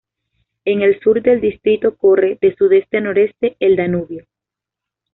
En el sur de el distrito corre, de sudeste a noreste, el Danubio.